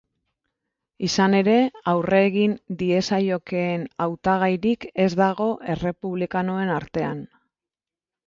Izan ere, aurre egin diezaiokeen hautagairik ez dago errepublikanoen artean.